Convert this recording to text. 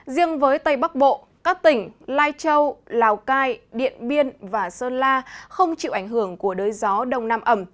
riêng với tây bắc bộ các tỉnh lai châu lào cai điện biên và sơn la không chịu ảnh hưởng của đới gió đông nam ẩm